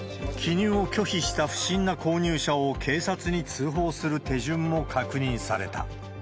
記入を拒否した不審な購入者を警察に通報する手順も確認された。